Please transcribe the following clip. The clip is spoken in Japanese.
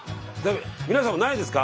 皆さんもないですか？